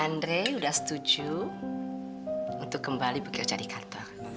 andre sudah setuju untuk kembali bekerja di kantor